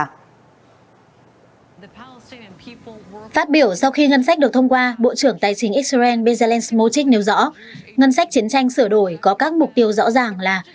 phát biểu sau khi ngân sách được thông qua bộ trưởng tài chính israel bezalel smotrick nêu rõ ngân sách chiến tranh sửa đổi có các mục tiêu rõ ràng là